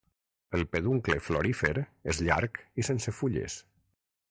El peduncle florífer és llarg i sense fulles.